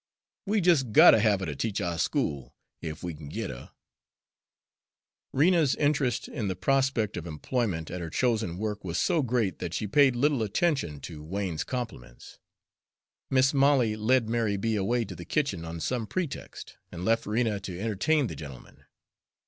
We jus' got ter have her ter teach ou' school ef we kin git her." Rena's interest in the prospect of employment at her chosen work was so great that she paid little attention to Wain's compliments. Mis' Molly led Mary B. away to the kitchen on some pretext, and left Rena to entertain the gentleman.